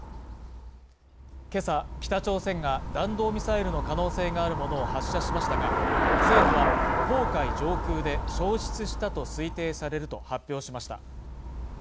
今朝、北朝鮮が弾道ミサイルの可能性があるものを発射しましたが、政府は黄海上空で消失したと推定されると発表しました。